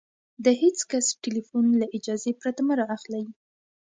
د هېڅ کس ټلیفون له اجازې پرته مه را اخلئ!